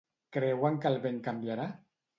Creuen que el vent canviarà?